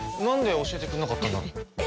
なんで教えてくれなかったんだろ。